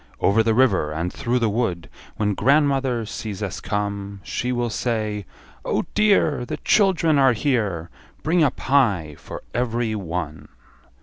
Over the river, and through the wood When grandmother sees us come, She will say, Oh dear, The children are here, Bring a pie for every one.